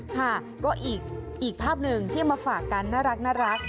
ค่ะก็อีกภาพหนึ่งที่มาฝากกันน่ารัก